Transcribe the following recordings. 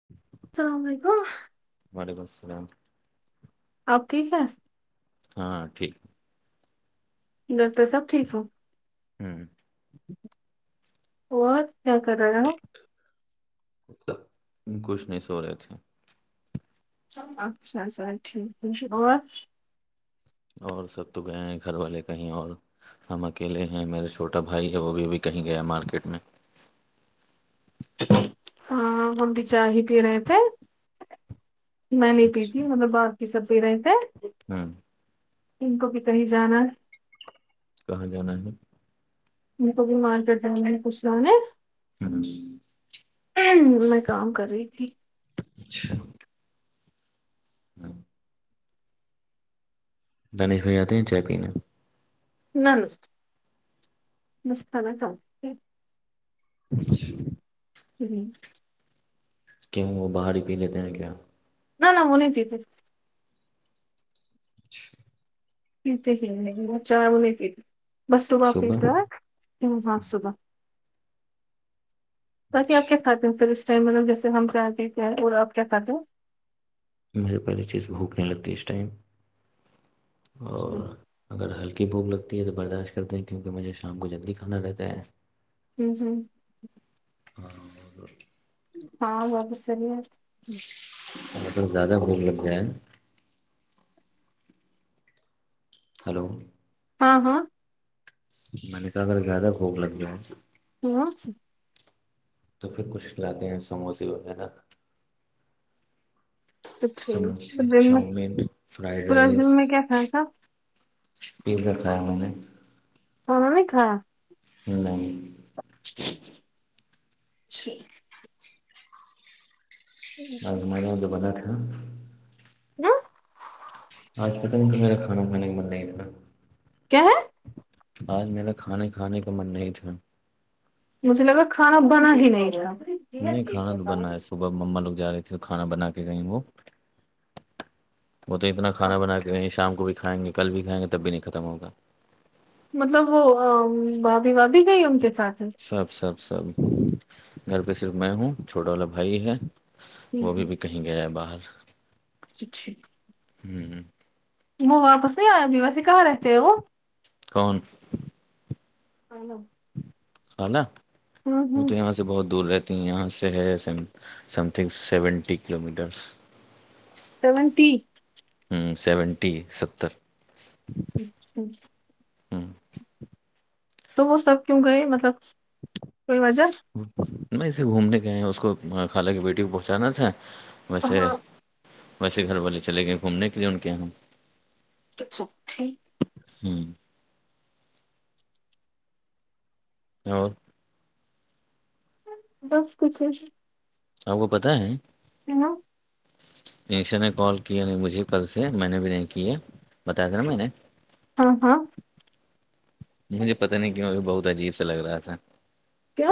[inaudible] السلام علیکم وعلیکم السلام آپ کی کیاستے ہاں ٹھیک گھر پہ سب ٹھیک ہو ہوں اور کیا کر رہاے ہو کچھ نہیں سو رہے تھے اچھا اچھا ٹھیک ہے اور اور سب تو گئے ہیں گھر والے کہیں اور ہم اکیلے ہیں میرا چھوٹا بھائی ہے وہ بھی ابھی کہیں گیا مارکیٹ میں ہاں ہمنٹی چ ہی پنے تھ [unintelligible] میں نہیں پی تھی مطلب بپ کی سب پی رہے تھے ھمم ان کو بھی کہیں جانا کہاں جانا ہے میر کو بھی مار کرتا نے پوچھ ل [unintelligible] ہاں میں کام کر رہی تھی اچھا ہاں دنیش بھائی آتے ہیں چائے پین ن نس نسان تھا [unintelligible] اچھا جی کیوں وہ باہر ہی پی لیتے ہیں کیا نہ نہ وہنےتیے [unintelligible] م ہی مھا ب میںتی بس تو معافی صبح کیا ت ہاں صبح بقی آپ کیا اچھا کھاتے ہیں پھر اس چ مطلب جیس ہم چاہتے اور آپ کیا کہتے [unintelligible] مجھے پہلی چیز بھوک نہیں لگتی اس ٹائم اور ہو اگر ہلکی بھوک لگتی ہے تو برداشت کرتے ہیں کیونکہ مجھے شام کو جلدی کھانا رہتا ہے ممم ممم ہاں ہاں باب سری ہے [unintelligible] ا زیادہ بڑھ لگتے ہیں ہلو ہاں ہاں میں نے کہ اگر زیادہ بھوک لگ گ ہے [unintelligible] [unintelligible] تو پھر کچھ کلاتے ہیں سموسے وغیرہ تو ٹھیک تو سموسے دن میں چاؤمین فرائیڈ پورا رائس دن میں کیا کھایا تھا رکھایا میں نے ہاں رمی تھا نہیں اچھا آ م دو بدٹ [unintelligible] جی آج پت نہیں تمہیر کھانا کھانے کا من نہیں اتنا کیا ہے آج میرا کھانے کھانے کا من نہیں تھا مجھے لگا کھانا بنا ہی نہیں رہ نہیں کھانا تو بنا ہے صبح مما لوگ جا رہے تھے کھانا بنا کے گئے وہ وہ تو اتنا کھانا بنا کے شام کو بھی کھائیں گے کل بھی کھائیں گے تب بھی نہیں ختم ہوگا مطلب وہ بھاابھی بھاب بھی گئی ان کے ساتھ سب سب سب گھر پہ صرف میں ہوں چھوٹا والا بھائی ہے وہ بھی کہیں گیا باہر اچھا ٹھیک ھمم وہ واپس نہیں آئ گی ویسے کہاں رہتے ہیں وہ کون ہل ہ ن م تو ہوں م سے بہت دور رہتی ہیں یہاں سے ہے س something seventy kilometres تو میںن تٹی سیونٹی ستر اچچ ہاں تو وہ سب کیوں گئے مطلب کوئی وجہ میں اسے گھومنے گئے اس کو خالہ کی بیٹی کو پہنچانا تھا ویسے ہاں ویسے گھر والے چل گئے گھومنے کے لیے ان کے یہاں تو سھی ہوں اور بس کچھش کو پت ہے پین ایشا نے کال کیا نہیں مجھے کل سے میں نے بھی نہیں کی ہے بتایا تھا نا میں نے ہاں ہاں مجھے پتا نہیں کیوں بہت عجیب سا لگ رہا تھا کیا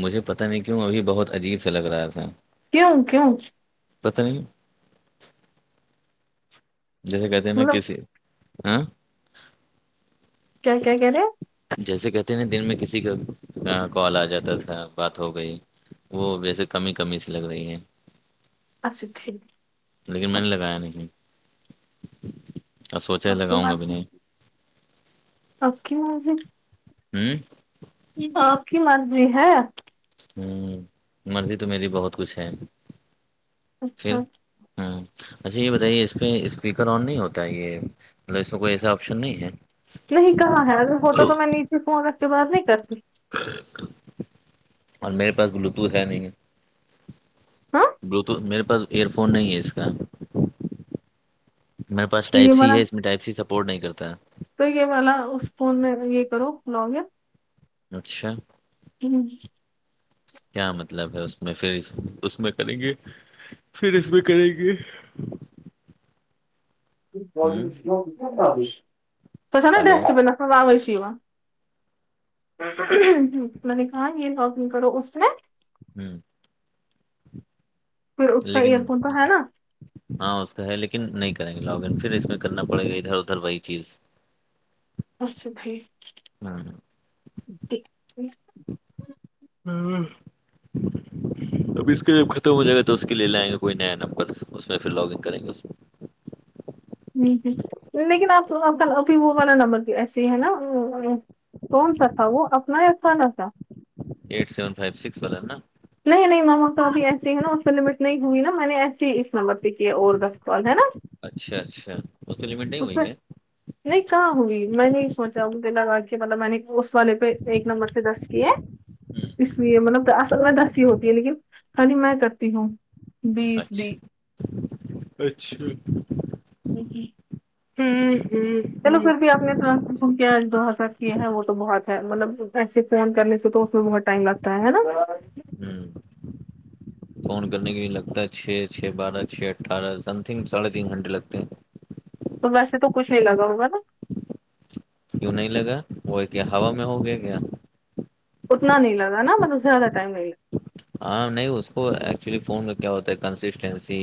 مجھے پتا نہیں کیوں اب بہت عجیب سا لگ رہا تھا کیوں کیوں پت نہیں جیسے کہتے ہیں نا مطلب کسی ہاں کیا کیا کیا رے جیسے کہتے نا دن میں کسی کا کال آ جاتا تھا بات ہو گئی وہ ویسے کمی ہی کمی سے لگ رہی ہیں اچھا ٹھیک لیکن میں نے لگایا نہیں اور سوچا ہے اوکے ب لگاؤں گا بھی نہیں اوکے وض ہوں آپ کی مرضی ہے ہوں مرضی تو میری بہت کچھ ہے پھر اچھا ہوں اچھا یہ بتائیے اس پہ اسپیکر آن نہیں ہوتا ہے یہ مطلب اس میں کوئی ایسا آپشن نہیں ہے نہیں کہاں ہے اگر ہوتا تو میں نیچے فون رکھ کے بات نہیں کرتی اور میرے پاس بلوٹوتھ ہے نہیں ہے ہاں بلوٹوتھ میرے پاس ایئر فون نہیں ہے اس کا میرے پاس تو یہ ٹائپ سی ہے والا اس میں ٹائپ سی سپورٹ نہیں کرتا ہے تو یہ واللاا اس فون میں یہ کرو لاگن اچھا ہی کیا مطلب ہے اس میں پھر اس میں کریں گے پھر اس میں کریں گے ہوں سوچ نا ہیلو ڈسٹبنس م آوازش میں نے کہا یہ لکنگ کرو اس میں ہوں پھر اس کا لیکن ایئر فون تو ہے نا ہاں اس کا ہے لیکن نہیں کریں گے لاگن پھر اس میں کرنا پڑے گا ادھر ادھر وہی چیز ہاں بکے ہوں اب اس کا جب ختم ہو جائے گا تو اس کے لے لائیں گے کوئی نیا نمبر اس میں پھر لاگگ کریں گے ہ ہ لیکن آپ آپ کا ابھی وہ والا نبر ایسے ہی ہے نا کون سا تھا وہ اپنا ہی اھا نہ تھا ایٹ سیون فائیو سکس والا ہے نا نہیں نہیں ماما کابھی ایسے ہی ہیں نا اس پ سے لمٹ نہیں ہوئی نا میں نے ایسے ہی اس نمبر پہ کی اور گ کال ہے نا اچھا اچھا اس کی لمٹ نہیں اس پہ ہوئی ہے نہیں کہاں ہوئی میں نہیں سوچا ہوں پہ لگا کے مطلب میں نے والے پہ ایک نمبر سے دس کیے اس لیے مطلب اصل میں دس ہوتی ہے لیکن خی میں کرتی ہوں بیس بھی اچھا اچھا ہوں ہوں ہوں اپنے ترنت کے جو حسر کیے ہیں وہ تو بہت ہے مطلب ایسے فون کرنے سے تو اس میں بہت ٹائم لگتا ہے ہے نا ہوں فون کرنے کے لیے لگتا ہے چھ چھ بارہ چھ اٹھارہ سم تھنگ ساڑھے تین گھنٹے لگتے ہیں تو ویسے تو کچھ نہیں لگا ہوگا نا کیوں نہیں لگا وہ کیا ہوا میں ہو گیا کیا اتنا نہیں لگا نا بل اس سے زدہ ٹائم نہیں لگا [inaudible] ہاں نہیں اس کو ایکچولی فون کا کیا ہوتا ہے کنسسٹینسی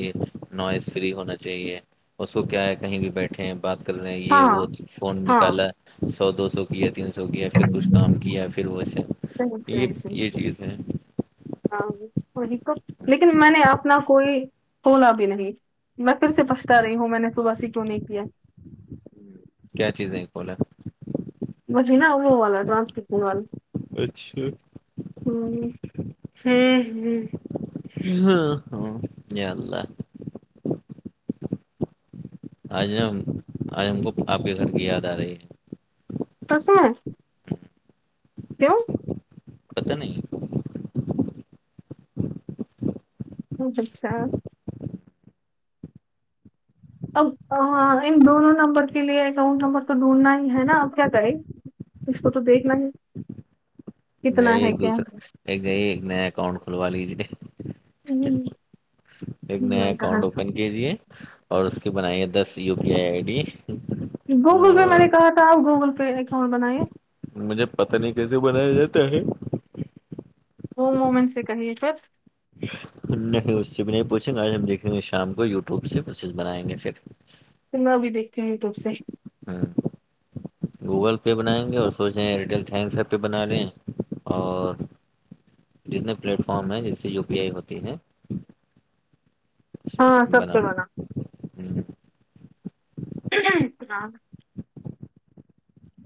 نوائز فری ہونا چاہیے اس کو کیا ہے کہیں بھی بیٹھے ہیں بات کر رہے ہیں لگا یہ وہ ہاں فون ہاں نکالا ہے سو دو سو کیا تین سو کیا پھر کچھ کام کیا پھر ویسے صحیح یہ صحیح یہ صحیح چیز ہیں ہاں وہی تو لیکن میں نے اپنا کوئی کھولا بھی نہیں میں پھر سے پچھتا رہی ہوں میں نے صبحی کیوں نہیں کیا کیا چیز ہے ایک بلا مش نا وہ والا ٹرانسپٹن وال ہ ہ ہ ہاں جانلہ آج ہم آج ہم کو آپ کے گھر کی یاد آ رہی ہے توسے کیوں پتہ نہیں اچھا اب ان دونوں نمبر کے لیے اکاؤنٹ نمبر تو ڈھونڈھنا ہی ہے نا اب کیا کریں اس کو تو دیکھنا ہی کتنا جائیے ہے ایک کیا دوسرا ہے ایک گئی ایک نیا اکاؤنٹ کھلوا لیجیے ہوں، ایک نے میں کہا اکاؤنٹ تھا اوپن کیجیے اور اس کے بنائیے دس U P I I D Google Pay میں اور نے کہا تھا آپ گوگل پے اکاؤنٹ بنے مجھے پت نہیں کیسے بنایا جاتا ہے ہووم وومن سے کہیے سر نہیں اس سے بھی نہیں پوچھیں گے آج ہم دیکھیں گے شام کو یوٹیوب سے مسیز بنائیں گے پھر [inaudible] تو میں بھییکتی ہوں و ٹیوب سے ہاں گوگل پے بنائیں گے اور سوچ رہیں ایرٹیل تھینکس ایپ پہ بنا لیں اور جتنے پلیٹ فارم ہیں جس سے یو پی آئی ہوتی ہیں ہاں سب بنا سے ہ آتا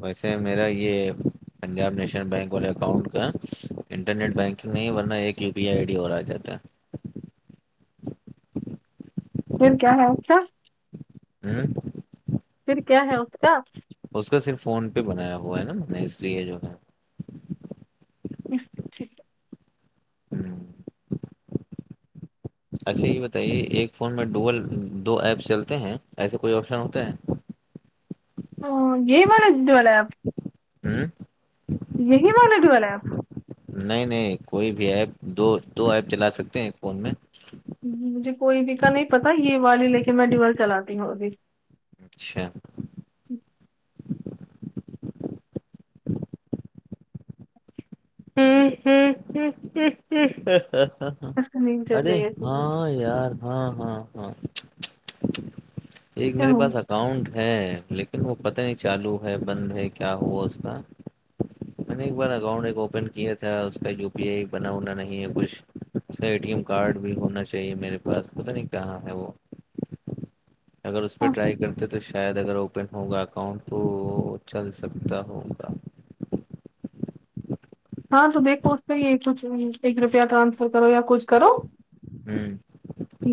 ویسے میرا یہ پنجاب نیشنل بینک والے اکاؤنٹ کا انٹرنیٹ بینکنگ نہیں ورنہ ایک U P I I D اور آ جاتا ہے پھر کیا ہے اس کا ہوں پھر کیا ہے اس کا اس کا صرف فون پہ بنایا ہوا ہے نا میں نے اس لیے جو ہے نچت ہوں اچھا یہ بتائیے ایک فون میں ڈوگل دو ایپس چلتے ہیں ایسے کوئی آپشن ہوتا ہے گی والولے والے آپ ہوں یہی مانیٹ والے آپ نہیں نہیں کوئی بھی ایپ دو دو ایپ چلا سکتے ہیں فون میں مجھے کوئی بھی کا نہیں پتا یہ والی لیکن میں دیوال چلاتی ہوں ابھی اچھا ایسا نہیں چل ارے رہی ایسے بھی ہاں یار ہاں ہاں ہاں ایک کیا میرے ہوں پاس اسکاؤنٹ ہے لیکن وہ پتہ نہیں چالو ہے بند ہے کیا ہوا اس کا میں نے ایک بار اکاؤنٹ ایک اوپن کیا تھا اس کا یو پی آئی بنا ہونا نہیں ہے کچھ ٹی ایم کارڈ بھی ہونا چاہیے میرے پاس پتا نہیں کہاں ہے وہ اگر اس پہ ٹرائی کرتے تو تو شاید اگر اوپن ہوگا اکاؤنٹ تو چل سکتا ہوگا ہاں تو دیکھو اس کا کچھ ایک روپیہ ٹرانسفر کرو یا کچھ کرو ہوں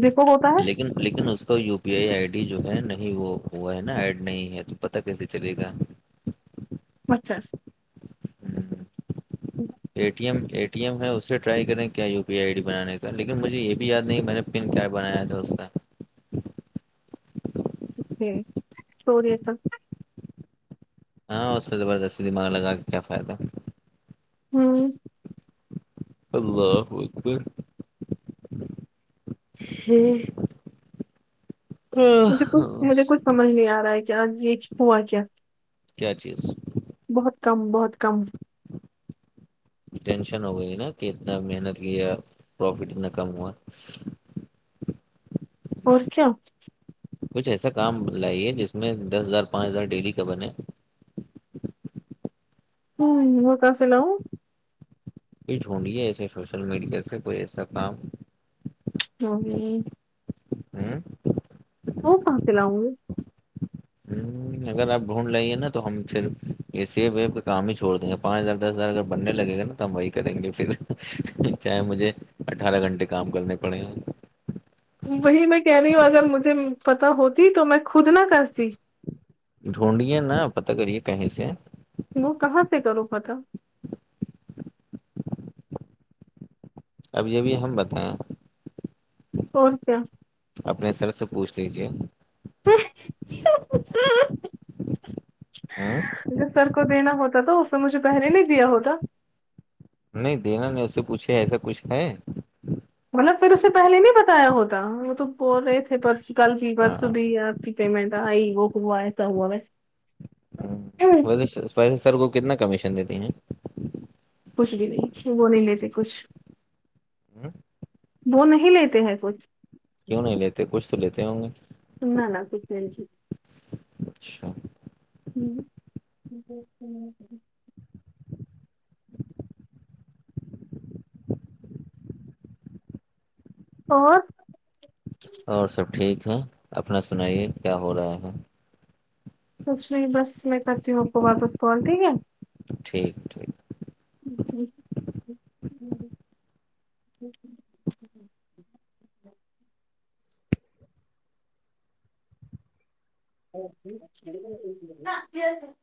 دیکھو ہوتا ہے لیکن لیکن اس کا U P I I D جو ہے نہیں وہ ہوا ہے نا ایڈ نہیں ہے تو پتا کیسے چلے گا پچھاس A T M A T M ہے اس سے ٹرائی کریں کیا یو پی آئی ڈی بانے کا لیکن مجھے یہ بھی یاد نہیں کہ میں نے بن کیا بنایا تھا اس کا چوروری تھا ہاں اس پہ زبردستی دماغ لگا کے کیا فائدہ ہوں اللہ حافظ ہوں مجھے کچھ کیا مجھے کچھ سمجھ نہیں آ رہا ہے کہ آج یہ ہوا کیا کیا چیز بہت کم بہت کم ٹینشن ہو گئی نا کہ اتنا محنت کیا پروفٹ اتنا کم ہوا اور کیا کچھ ایسا کام لائیے جس میں دس ہزار پانچ ہزار ڈیلی کا بنے ہوں ہو کا سلو یہ جھونڈے ایسے سوشل میڈیا سے کوئی ایسا کام جی ہوں وہ فن سے لؤں گے ہوں، اگر آپ ڈھونڈ لائیے نا تو ہم پھر یہ سیب ویب کا کام ہی چھوڑ دیںے پانچ ہزار دس ہزار اگر بننے لگے گا نا وہی کریں گے پھر چاہے مجھے اٹھارہ گھنٹے کام کرنے پڑے وہی میں کہہ رہی ہوں اگر مجھے پتا ہوتی تو میں خود نہ کرتی ڈھونڈیے نا پتا کریے کہیں سے وہ کہاں سے کروں پ تھا اب یہ بھی ہم بتائیں اورور کیا اپنے سر سے پوچھ لیجے [inaudible] ہوں اگر سر کو دینا ہوتا تو اس نے مجھے پہلے نہیں دیا ہوتا نہیں دینا نہیں اس سے پوچھے ایسا کچھ ہے مطلب پھر اسے پہلے نہیں بتایا ہوتا وہ تو بول رہے تھے پرس کل کی ہاں پرسوں بھی آپ کی پیمنٹ یہ وہک ہوا ایس ہووا بس ہ ویسے ویسے سر کو کتنا کمیشن دیتی ہیں کچھ بھی نہیں وہ نہیں لیےتے کچھ ہوں [unintelligible] وہ نہیں لیتے ہیں کچھ کیوں نہیں لیتے کچھ تو لیتے ہوں گے نہ نہ کک نہیں اچھا ہوں اور اور سب ٹھیک ہیں اپنا سنائیے کیا ہو رہا ہے کچھ نہیں بس میں کرتی ہوں آپ کو واپس کال ٹھیک ہے ٹھیک ٹھیک جی جی ہوں ہوں [unintelligible] اور [unintelligible]